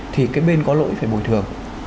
thì cái bên có lỗi phải bồi thường